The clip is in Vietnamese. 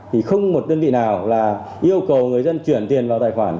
thì không một đơn vị nào là yêu cầu người dân chuyển tiền vào tài khoản